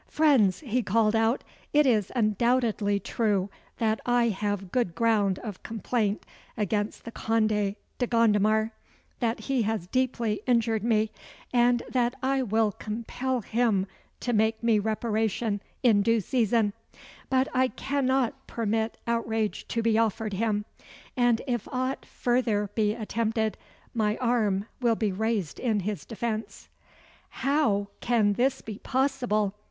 "Friends," he called out, "it is undoubtedly true that I have good ground of complaint against the Conde de Gondomar that he has deeply injured me and that I will compel him to make me reparation in due season but I cannot permit outrage to be offered him; and if aught further be attempted, my arm will be raised in his defence." "How! can this be possible!"